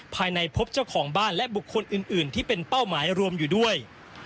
ภายในพบเจ้าของบ้านและบุคคลอื่นที่เป็นเป้าหมายรวมอยู่ด้วย